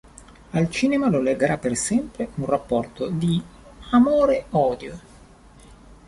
Al cinema lo legherà per sempre un rapporto di amore-odio.